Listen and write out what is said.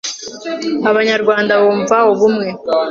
abanyarwanda bumva ubumwe